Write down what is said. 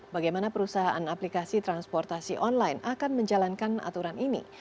bagaimana perusahaan aplikasi transportasi online akan menjalankan aturan ini